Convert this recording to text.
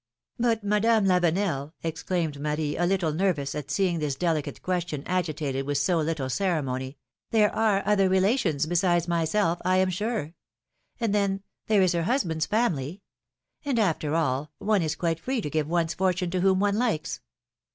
'' ^^But, Madame Lavenel," exclaimed Marie, a little nervous at seeing this delicate question agitated with so little ceremony, there are other relations besides myself, I am sure ! And, then, there is her husband's family ! And after all, one is quite free to give one's fortune to whom one likes